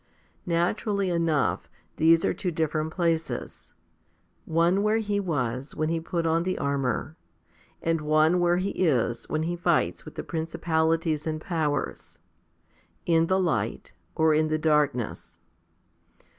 Naturally enough, these are two different places one where he was when he put on the armour, and one where he is when he fights with the princi palities and powers in the light, or in the darkness.